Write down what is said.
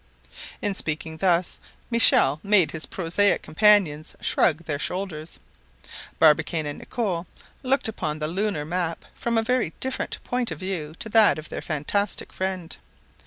In speaking thus, Michel made his prosaic companions shrug their shoulders. Barbicane and Nicholl looked upon the lunar map from a very different point of view to that of their fantastic friend.